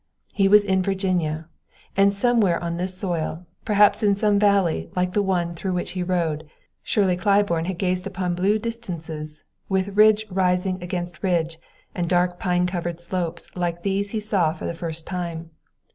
He was in Virginia, and somewhere on this soil, perhaps in some valley like the one through which he rode, Shirley Claiborne had gazed upon blue distances, with ridge rising against ridge, and dark pine covered slopes like these he saw for the first time.